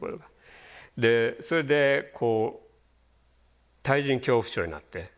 でそれでこう対人恐怖症になって。